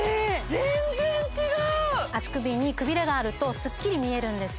全然違う足首にくびれがあるとスッキリ見えるんですよ